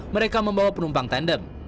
mereka membawa penumpang tandem